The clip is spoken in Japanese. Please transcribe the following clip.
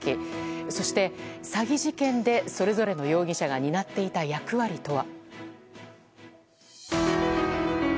そして詐欺事件でそれぞれの容疑者が担っていた役割とは。